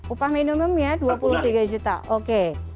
upah minimumnya dua puluh tiga juta oke